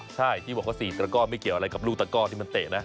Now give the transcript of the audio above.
ใช่ที่บอกว่า๔ตระก้อไม่เกี่ยวอะไรกับลูกตะก้อที่มันเตะนะ